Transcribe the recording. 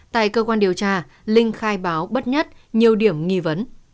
tại cơ quan điều tra linh khai báo bất nhất nhiều điểm nghi vấn